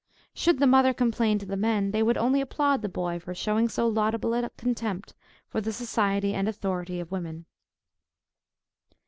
Should the mother complain to the men, they would only applaud the boy for showing so laudable a contempt for the society and authority of women.